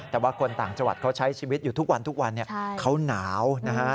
แต่ว่าคนต่างจังหวัดเขาใช้ชีวิตอยู่ทุกวันทุกวันเขาหนาวนะฮะ